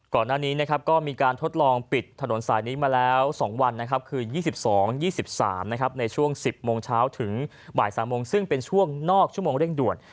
ก่อนหน้านี้นะครับก็มีการทดลองปิดถนนสายนี้มาแล้ว๒วันนะครับคือ๒๒๒๓ในช่วง๑๐โมงเช้าถึงบ่าย๓โมงซึ่งเป็นช่วงนอกชั่วโมงเร่งด่วน